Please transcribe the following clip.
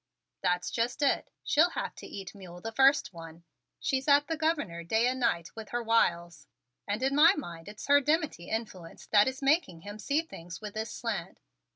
"That's just it; she'll have to eat mule the first one. She's at the Governor day and night with her wiles, and in my mind it's her dimity influence that is making him see things with this slant.